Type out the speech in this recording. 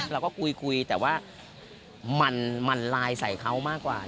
เราก็คุยแต่ว่ามันไลน์ใส่เขามากกว่า